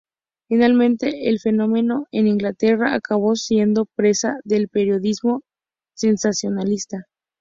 Finalmente, el fenómeno en Inglaterra acabó siendo presa del periodismo sensacionalista.